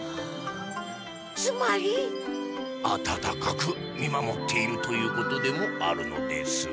つまり？あたたかく見守っているということでもあるのです。